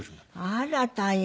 あら大変。